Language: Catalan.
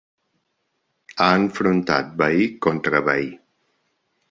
Ha enfrontat veí contra veí.